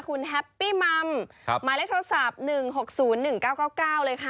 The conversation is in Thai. คุณแฮปปี้มัมหมายเลขโทรศัพท์๑๖๐๑๙๙๙เลยค่ะ